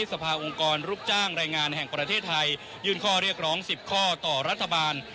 สภาองค์กรลูกจ้างรายงานแห่งประเทศไทยยื่นข้อเรียกร้อง๑๐ข้อต่อรัฐบาล